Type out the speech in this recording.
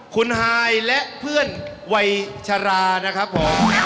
คุณฮายและเพื่อนวัยชรานะครับผม